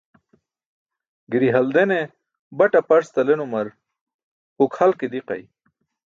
Giri haldene bat aparc talenumar huk hal ke diqay.